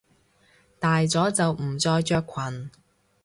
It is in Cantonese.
大咗就唔再着裙！